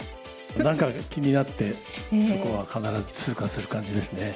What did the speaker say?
なんか気になって、そこは必ず通過する感じですね。